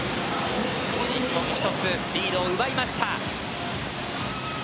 日本、１つリードを奪いました。